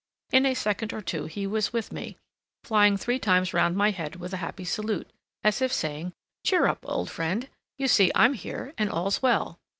In a second or two he was with me, flying three times round my head with a happy salute, as if saying, "Cheer up, old friend; you see I'm here, and all's well."